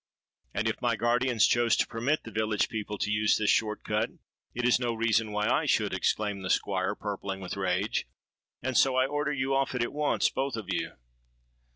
'—'And if my guardians chose to permit the village people to use this short cut, it is no reason why I should,' exclaimed the Squire, purple with rage. 'And so I order you off at once, both of you.'